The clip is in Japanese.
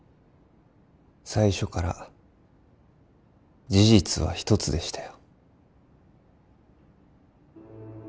最初から事実は一つでしたよ